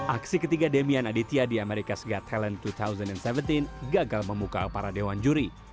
aksi ketiga demian aditya di ⁇ americas ⁇ got talent dua ribu tujuh belas gagal memuka para dewan juri